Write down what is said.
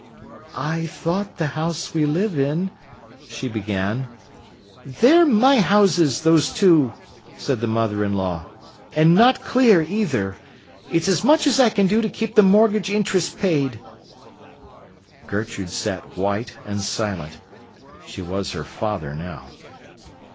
"I thought the house we live in—" she began. "They're my houses, those two," said the mother in law. "And not clear either. It's as much as I can do to keep the mortgage interest paid." Gertrude sat white and silent. She was her father now.